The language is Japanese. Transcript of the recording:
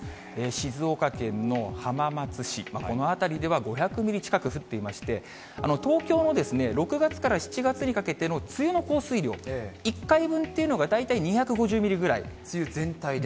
静岡県の浜松市、この辺りでは５００ミリ近く降っていまして、東京の６月から７月にかけての梅雨の降水量、１回分っていうのが梅雨全体で？